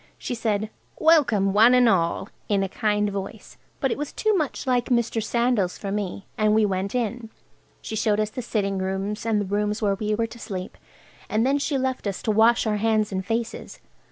She said, "Welcome, one and all!" in a kind voice, but it was too much like Mr. Sandal's for me. And we went in. She showed us the sitting rooms, and the rooms where we were to sleep, and then she left us to wash our hands and faces.